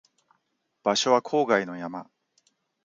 場所は郊外の山